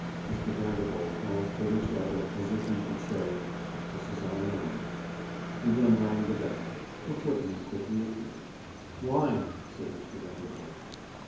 Mr. Vanderholt glanced at his daughter, as if he should say, 'This is our man.' He then rang the bell. A footman quickly appeared. 'Wine,' said Mr. Vanderholt.